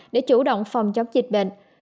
để chủ động phòng chống dịch bệnh